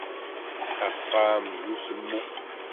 Axxam d utemmu